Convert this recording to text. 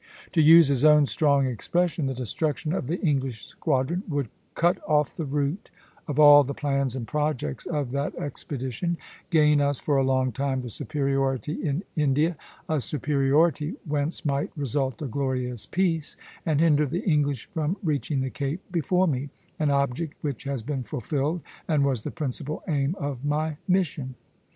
To use his own strong expression, "The destruction of the English squadron would cut off the root of all the plans and projects of that expedition, gain us for a long time the superiority in India, a superiority whence might result a glorious peace, and hinder the English from reaching the Cape before me, an object which has been fulfilled and was the principal aim of my mission."